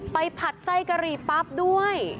ผัดไส้กะหรี่ปั๊บด้วย